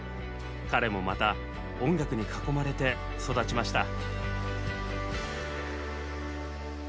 彼もまた音楽に囲まれて育ちました。